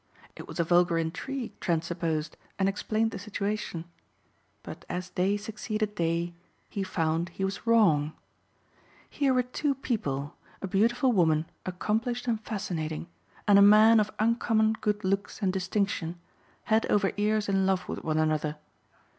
It was a vulgar intrigue Trent supposed and explained the situation. But as day succeeded day he found he was wrong. Here were two people, a beautiful woman accomplished and fascinating and a man of uncommon good looks and distinction, head over ears in love with one another.